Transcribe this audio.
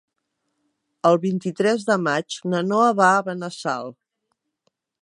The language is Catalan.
El vint-i-tres de maig na Noa va a Benassal.